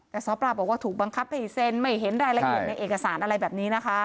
แต่ซ้อปลาบอกว่าถูกบังคับให้เซ็นไม่เห็นรายละเอียดในเอกสารอะไรแบบนี้นะคะ